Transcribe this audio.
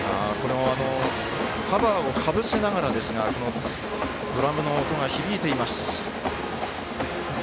カバーもかぶせながらですがグラウンドに音が響いています。